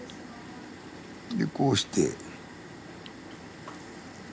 でこうして。